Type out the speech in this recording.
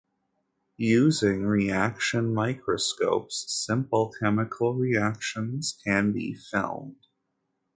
Using reaction microscopes, simple chemical reactions can be "filmed".